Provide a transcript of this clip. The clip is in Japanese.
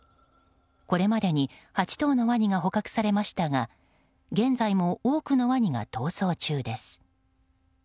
これまでに８頭のワニが捕獲されましたが現在も多くのワニが逃走中です。